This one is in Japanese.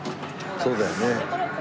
そうだよね。